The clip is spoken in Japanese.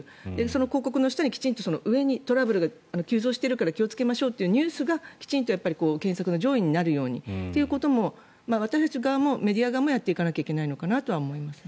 その広告の下にきちんと、トラブルが急増しているから気をつけましょうというニュースがきちんと検索の上位になるようにということも私たち側、メディア側もやっていかないといけないのかなと思います。